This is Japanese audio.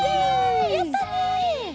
やったね。